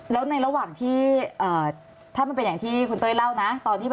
แล้วในระหว่างที่ถ้ามันเป็นอย่างที่คุณเต้ยเล่านะตอนที่